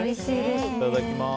いただきます。